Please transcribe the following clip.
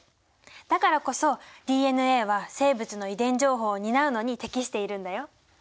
だからこそＤＮＡは生物の遺伝情報を担うのに適しているんだよ。